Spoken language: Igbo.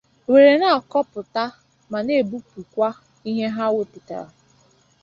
were na-akọpụta ma na-ebupukwa ịhe ha wepụtara.